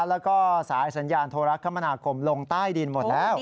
แล้วก็สายสัญญาณโทรคมนาคมลงใต้ดินหมดแล้ว